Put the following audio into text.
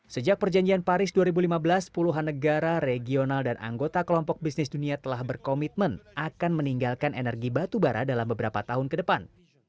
sejak perjanjian paris dua ribu lima belas puluhan negara regional dan anggota kelompok bisnis dunia telah berkomitmen akan meninggalkan energi batu bara dalam beberapa tahun ke depan